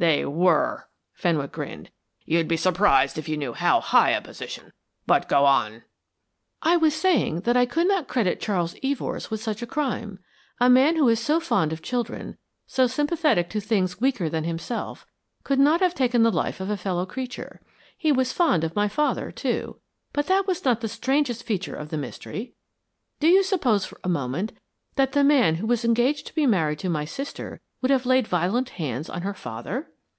"They were," Fenwick grinned. "You'd be surprised if you knew how high a position. But go on." "I was saying that I could not credit Charles Evors with such a crime. A man who is so fond of children, so sympathetic to things weaker than himself, could not have taken the life of a fellow creature. He was fond of my father, too, but that was not the strangest feature of the mystery. Do you suppose for a moment that the man who was engaged to be married to my sister could have laid violent hands on her father?"